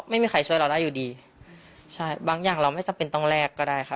ไม่มีใครช่วยเราได้อยู่ดีใช่บางอย่างเราไม่จำเป็นต้องแลกก็ได้ค่ะ